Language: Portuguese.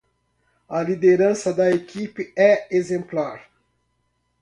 A liderança da equipe é exemplar.